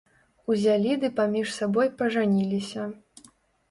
Узялі ды паміж сабой пажаніліся.